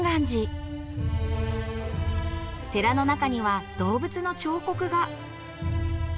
寺の中には動物の彫刻が。